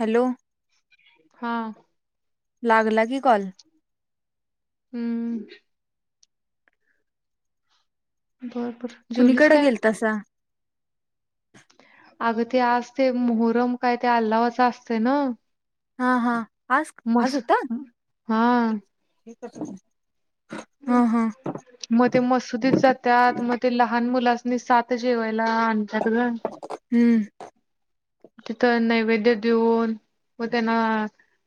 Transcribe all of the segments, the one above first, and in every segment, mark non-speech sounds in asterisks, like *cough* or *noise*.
Hello. हा. लागला की कॉल हम्म. बरोपर जेवलीस कुणीकडे काय? गेल तसा अग ते आज, ते मोहरम काय ते अल्लावाच असते ना? हा हा. आज, आज मस होता? हा हा हा मग ते मशिदीत जातात. मग ते लहान मुलास्नी सात जेवाय- ला आणतात. हम्म तिथं नैवेद्य देऊन- मग त्यांना.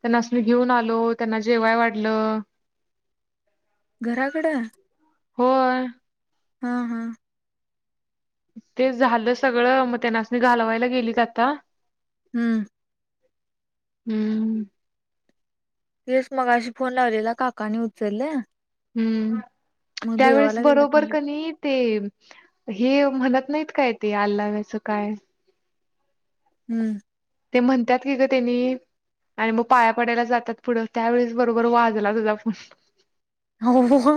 त्यांना मी घेऊन आलो त्यांना जेवाय वाढलं- *inaudible* घराकडं? होय. हा हां. ते झालं सगळं. मग त्यानासनी घालवायला गेलीत आत्ता - हम्म. हम्म. तेच मगाशी फोन लावलेला. काकांनी उचलल. हम्म. त्यावेेळेस गेल्यात बरोबर म्हटलं कनी ते- हे म्हणत नाहीत काय, ते अल्ला वचं काय? - हम्म. ते म्हणतात की ग त्यानी- आणि मग पाया पडायला जातात पुढं. त्यावेेळेस बरोबर वाजला तुझा फोन. हो हो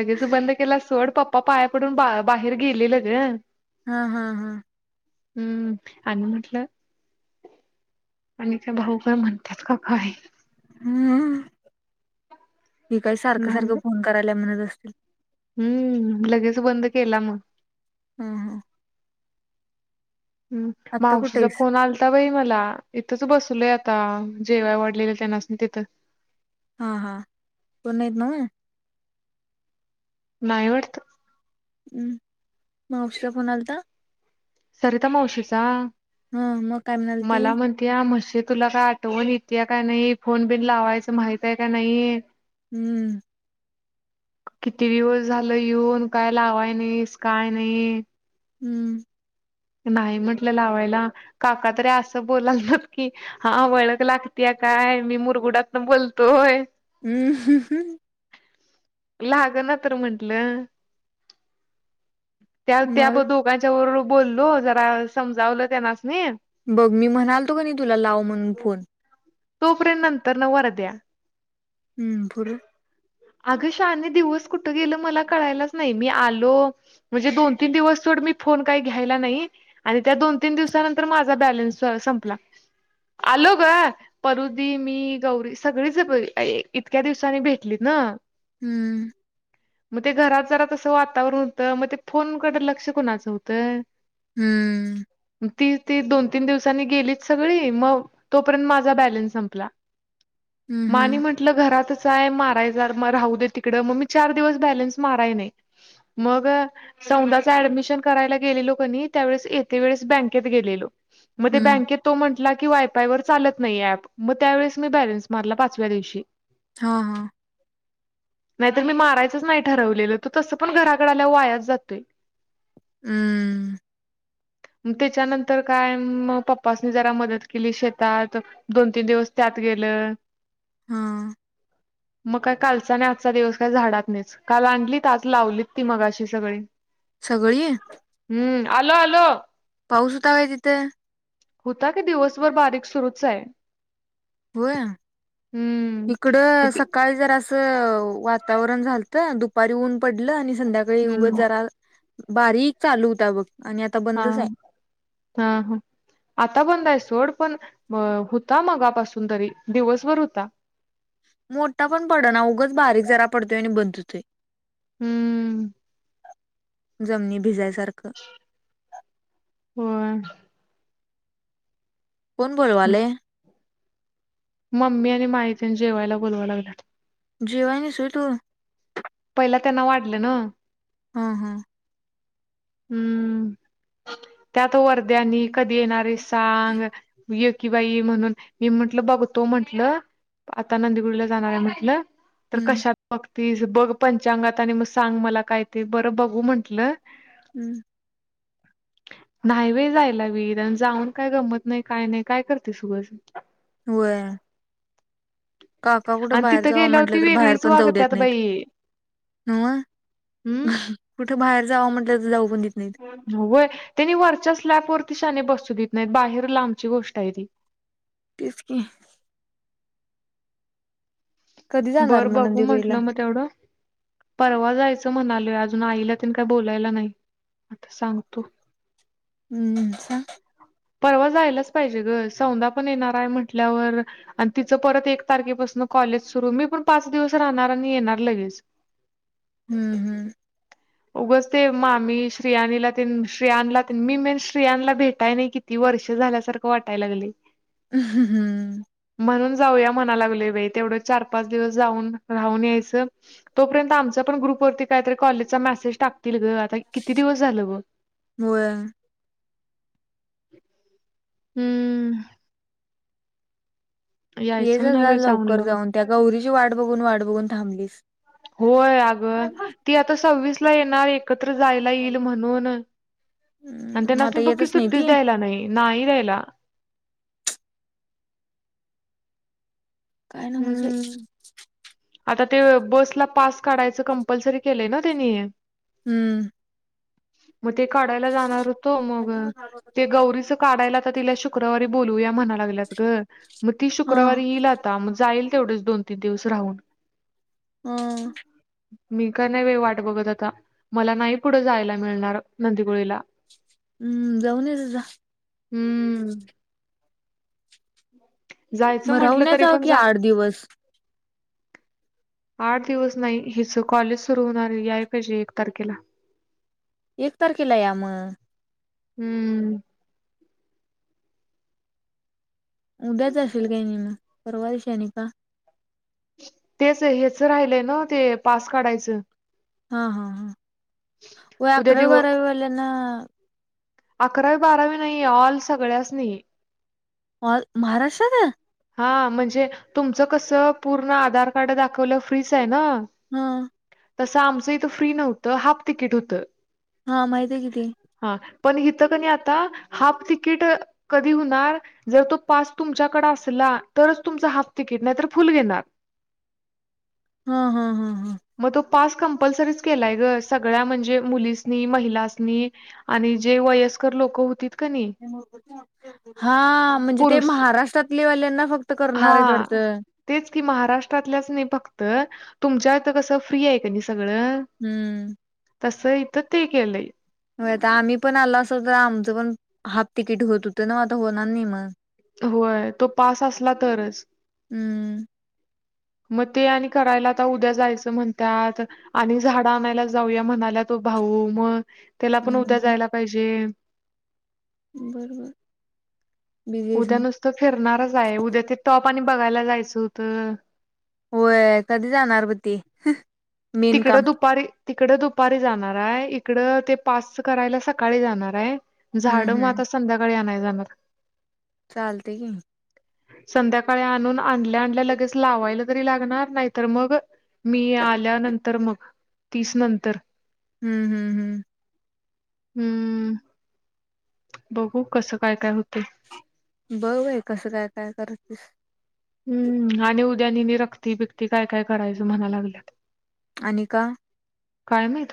लगेच बंद केला. सोड, पप्पा पाया पडून बा बाहेर गेलेल ग. हा हा हा. हम्म. आणि म्हटलं. आणि त्या भाऊ काय म्हणतात का काय? हम्म. मी काही सारखं नाही सारखं फोन करायला म्हणत असत- हम्म. लगेच बंद केला मग. हम् हम. हम्. आत्ता कुठे मावशीचा आहेस फोन आलता बाई मला. इथंच बसलोय आता. जेवाय वाढलेलं त्यांनाच मी तिथं. हा हा. पुण्यात नव्ह? नाही वाटत. हुं. मावशीचा फोन आलता? सरिता मावशीचा... ह मग काय म्हणाल ती मला म्हणतेया म्हशी- तुला काय आठवण येतेय का नाही? फोन बिन लावायचं माहित आहे का नाही? हुं. किती दिवस झालं येऊन, काय लावाय नाहीस, काय नाही. हुं.. नाही म्हटलं लावायला. काका तरी असं बोलय ल्यात की हा वळख लागतिया - काय मी, मुरगुडातन बोलतोय. हम्म हम् हम्. लागना तर म्हंटलं- त्या त्या मग दोघांच्या बरोबर बोललो. जरा समजावलं त्यानास- बघ मी म्हणालतो की नाही तुला? लाव म्हणून फोन. तोपर्यंत नंतर न वरद्या. हुं.. पुढं? अग शाने दिवस कुठ गेलं मला कळायलाच नाही मी आलो म्हणजे दोन तीन दिवस सोड मी फोन काही घ्यायला नाही आणि त्या दोन तीन दिवसानंतर माझा बॅलन्स संपला. आलो ग परुधी, मी, गौरी सगळीच बाई इतक्या दिवसांनी भेटलीत ना हुं. मग ते घरात जरा तसं वातावरण होतं मग ते फोनकड लक्ष कोणाचं होतं? हुं.. ती ती दोन तीन दिवसांनी गेलीत सगळी मग तोपर्यंत माझा बॅलन्स संपला हुं.. हुं आपलं घरातच हाय मारायच मग राहू दे तिकड मग मी चार दिवस बॅलन्स माराय नाही मग सौंदाचे ऍडमिशन करायला गेलेलो कनाही त्यावेळेस येते वेळेस बँकेत गेलेलो मग ते हम्म बँकेत तो म्हटला की वायफाय वर चालत नाही ऍप मग त्यावेळेस मी बॅलन्स मारला पाचव्या दिवशी हा हा नाहीत मी मारायचंच नाही ठरवलेलं त तसं पण घराकड आल्यावर वायाच जातोय हुं त्याच्यानंतर काय मग पप्पाासनी जरा मदत केली शेतात दोन तीन दिवस त्यात गेल लं हा मग काय कालचा नी आजचा दिवस काय झाडातनीच काल आणलीत, आज लावलीत ती मगाशी सगळी सगळी ह आलो आलो. पाऊस होता काय तिथे होता की दिवसभर बारीक सुरूच आहे. होय हम्म. मग इकडं ते- सकाळी जरसा वाता वातावरण झालत दुपारी ऊन पडलं आणि संध्याकाळी उगच हम्म जरा बारीक चालू होता बघ आणि आता हा बंदच आहे हा हा आता बंद आहे सोड पण होता मगापासून तरी दिवसभर होता. मोठा पण पडना, उगच बारीक जरा पडतोय आणि बंद होतोय हुं.. जमनी भिजायसारखं होय कोण बोलवालय? मम्मी आणि माई तेन जेवायला बोलवा लागल्यात. जेवाय नाहीस व्हय तू पहिला त्यांना वाढलं ना हम हम् हम्म त्यात वरध्यानी कधी येणारे सांग कि बाई म्हणून मी म्हटलं बघ तो म्हंटलं आता नंदीगुडीला जाणार आहे म्हंटलं तर हम्म कशात बघती बघ पंचांगात आणि मग सांग मला काय ते बरं बघू म्हंटलं हम्म नाही व जायला वीर आणि जाऊन काय गमत नाही काय नाही काय करते सुबस हो काका कुठं आणि बाहेर तिथं जावं गेल्यावर म्हंटलं ती तर बाहेर वेगळीच पण जाऊ देत वागत्यात नाहीत न हम्य तर जाऊ पण देत नाहीत त्यांनी वरच्या स्लॅप वरती बसू देत नाहीत बाहेर लांबची गोष्ट आहे ती तस क कधी जाणार बरं मग बघू नंदीबईला म्हटलं मग तेवढं परवा जायचं म्हणाल अजून आईला तनी काय बोलायला नाही आता सांगतो हम्छ परवा जायलाच पाहिजे ग सौदा पण येणार आहे म्हटल्यावर आणि तिचं परत एक तारखेपासून कॉलेज सुरू मी पण पाच दिवस राहणार आणि येणार लगेच हम्म हम्म उगच ते मामी श्रियाणीला श्रियांला मी मेन श्रियांला भेटाय नाही किती वर्ष झाल्यासारखं वाटायाला लागली ह् हम्म म्हणून जाऊन यावं म्हणते चार पाच दिवस राहून ऊन र तो पर्यंत आराम पण ग्रुप वरती काहीतरी कॉलेजचा मेसेज टाकतील ग आता किती दिवस झालं ग हो हम्म यायचं येजा म्हणालोय लवकर लावून. जाऊन त्या गौरीची वाट बघून वाट बघून थांबलीस होय अगं ती हम्म आता सव्वीस ला येणार एकत्र जायला येईल म्हणून आणि त्यांना मग अस आता बकी येतच नाही सुट्टीच ती द्यायला नाही नाही द्यायला काय ना म्हझय हम्म आता ते बसला पास काढायचं कंपल्सरी केलंय ना त्यांनी हम्म मग ते काढायला जाणार होतो मग ते गौरीच काढायला आता तिला शुक्रवारी बोलूया म्हणा लाग ग मग ती हा शुक्रवारी येईल आता मग जाईल तेवढेच दोन तीन दिवस राहून हम मी का नाही वे वाट बघत आता मला नाही पुढं जायला मिळणार नंदीपुळीला हम्म जाऊन यचझ हम्म जायचं म्हटलं तरी मरवण्याचा जाऊ पण की जा आठ दिवस आठ दिवस नाही हिच कॉलेज सुरू होणारी याय पाहिजे एक तारखेला एक तारखेला या मग हम्म उद्याच असेल काय नि परवाय शाणी का तेच हेच राहिलय ना ते पास काढायचं हा हा हा व उद्या आकरावी दिव वारवी वला ना अकरावी बारावी नाही ऑल सगळ्यास नाही महाराष्ट्रचा हा म्हणजे तुमचं कसं पूर्ण आधार कार्ड दाखवलं फ्रीच आहे ना हम तसं आमचं इथं फ्री नव्हतं हाफ तिकीट होतं हा माहित आहे कि ते हा पण इथं का नाही आता हाफ तिकीट कधी होणार जर तो पास तुमच्याकडे असेल जूनला ला तरच तुमच हाफ तिकट नाही तर फुल घेणार हा हा हम हम मग तो पास कंपल्सरी केलाय ग सगळ म्हणजे मुलीसनी महिलासनी आणि जे वयस्कर वयस्कर लोक होती हा म्हणजे ते पुरुष महाराष्ट्रात हा तेच कि महाराष्ट्रातल्याच नाही फक्त तुमच्या इथ कस फ्री आहे कि नाही सगळं हम्म तस इथ ते केलंय होय आता आम्ही पण आलो असो तर आमचं पण हाफ तिकीट होत होतं ना आता होणार नाही मग होय तो पास असला तरच हम्म मग ते आणि करायला आता उद्या जायचं म्हणतात आणि झाडं आणायला जाऊया म्हणाल्या त भाऊ मग त्याला पण उद्या जायला पाहिजे. बरो बर. उद्या नुसतं फिरणारच आहे उद्या ते टॉप आणि बघायला जायचं होतं. होय कधी जाणार मग ती तिकड दुपारी. तिकड दुपारी जाणार आहे इकडं ते पास करायला सकाळी जाणार आहे. हम्म झाड मग हम्म आता संध्याकाळी आणय जाणार. चालते की संध्याकाळी आणून आणल्या आणल्या लगेच लावायला तरी लागणार नाहीत मग मी आल्यानंतर मग तीस नंतर हम्म हम्म हम्म. हम्म. बघू कसं काय काय होत. बघ बाय कसं काय काय करतीस. हम्म आणि उद्या नि रक्ती बिकती काय काय करायचं म्हणा लागल्यात. आणि का? काय माहित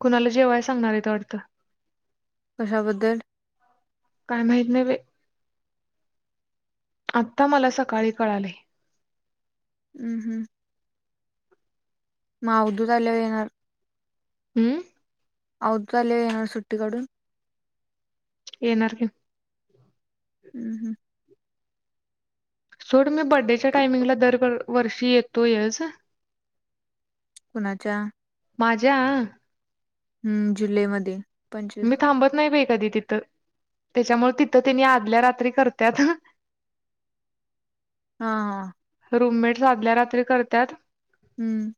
कुणाला जेवाय सांगणार आहे वाटत. कशाबद्दल? काय माहित नाही बाई. आता मला सकाळी कळाले. हम्म हम्म. माऊली झाल्यावर येणार. हम्म. आवदूत आल्यावर येणार सुट्टीकडून येणारकि हम्म हम्म. सोड मी बर्थडेच्या टाइमिंग ला दरवर्षी येतोयच. कुणाच्या? माझ्या हम्म जुलैमध्ये पंचवीस मी थांबत नाही बाई. कधी तिथं त्याच्यामुळे तिथं त्यांनी आदल्या रात्री करतात. हा हा. आधल्या रात्री करतात. हम्म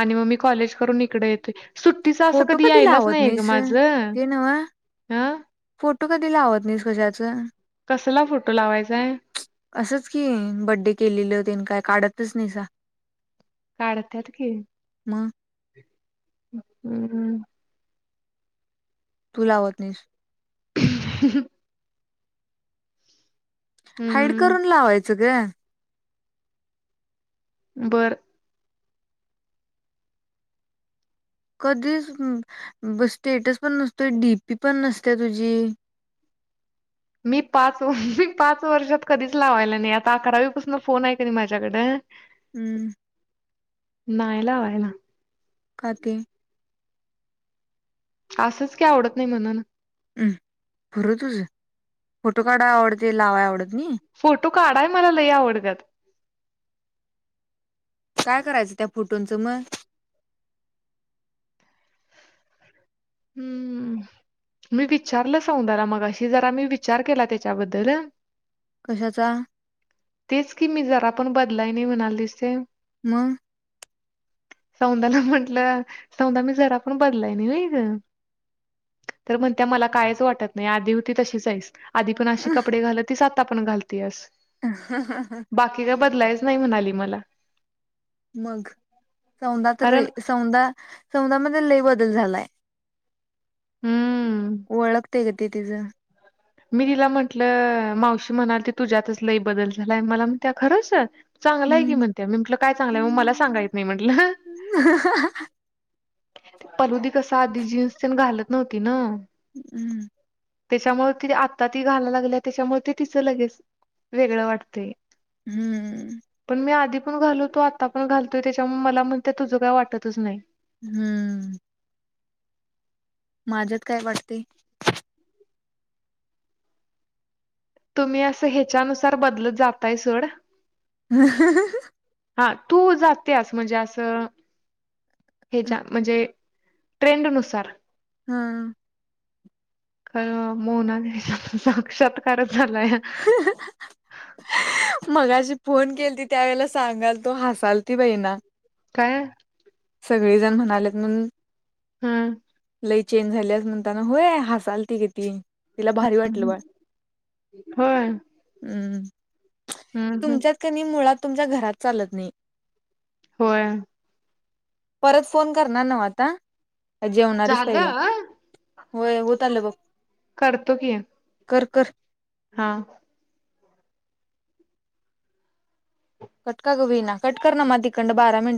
आणि मग मी कॉलेज करून इकडे येतोयकि सुट्टीच असं फोटो कधी यायलाच लावत नाही ग नाहीस माझं. ते नव्ह. हं फोटो कधी लावत नाहीस कजाच कसला फोटो लावायचाय असंच की बड्डे केलेलंते काय काढतच नाहीसा. काढतत की *inaudible* हम्म. तू लावत नाहीस. *inaudible* हाईड हम्म करून लावायचं ग. बरं. कधीच स्टेटस पण नसतो डीपी पण नसते तुझी. मी पाच मी पाच वर्षात कधीच लावायला नाही आता अकरावीपासून फोन आहे का नाही माझ्याकड हम्म. नाहीय लावाय ना. ते. असंच की आवडत नाही म्हणून ह पूर तुझ फोटो काढाय आवडते लावाय आवडत नाही काय मला लई आवडत्यात काय करायचं त्या फुटोंचं मग हम्म मी विचारलं सौदाला मग अशी जरा मी विचार केला त्याच्याबद्दल कशाचा तेच कि मी जरा पण बदलाय नाही म्हणाल दिसते मग सौदाला म्हंटलं सौदा मी जरा पण तर म्हणत मला कायच वाटत नाही आधी होती तशीच आहेस आधी पण अशी कपडे घाल तीच आता पण घालती अस हा, हा, हा बदलायच नाही म्हणाली मला मग सौदा तर कारण सौदा मध्ये लई बद झालाय हम्म ओळखते का ते तिच मी तिला म्हंटलं मावशी म्हणाल त तुझ्यातच लय बदल झालाय मला म्हणतिया खरंच चांगलं आहे की हम्म म्हणत मी म्हटल काय चांगलंय मग मला हम्म सांगायत नाही म्हंटलं ते परहदी कस आधी जीन्स पण घालत नव्हती ना हम्म त्याच्यामुळे ति आता ती घायला लागली त्याच्यामुळे ते तिचं लगेच वेगळं वाटतंय हम्म पण मी आधी ण घालतो आता पण घालतोय त्याच्या मला म्हणते तुझं काय वाटतच नाही हम्म माझ्यात काय वाटतय तुम्ही असं ह्याच्यानुसार बदलत जातय सोड ह हा तू जातेस म्हणजे असं हेच्या हम्म म्हणजे ट्रेंडनुसार हम्म का मोना घ साक्षातकार मगाज फोन केल त त्यावेेळेला सांगाल तो हसाल ती बाईना काय सगळेजण म्हणालेत मून हम्म लाई चेंज झालीस म्हणता ना होय हासालती ग ती तिला भारी वाटलं बा होय हम्म हम्म हम्म तुमच्यात क नई मुळात तुमच्या घरात चालत नाही होय परत फोन करणार नव्ह आता जेवणारीच पहिला झालं होय होत आलं बघ करतो की कर, कर हा कटका कवी ना कटकर ना म तिकंड बारा मिनटं